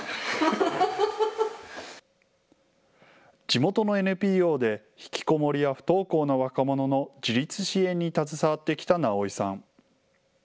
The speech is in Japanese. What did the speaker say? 地元のＮＰＯで引きこもりや不登校の若者の自立支援に携わってきた直井さん。